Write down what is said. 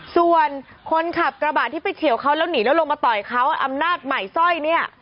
ส่วนคนขับกระบะที่ไปเฉียวเขาแล้วหนีแล้วลงมาต่อยเขาอำนาจใหม่สร้อยเนี่ย